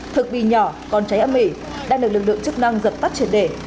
thực bì nhỏ còn cháy ấm ỉ đang được lực lượng chức năng dập tắt truyền đề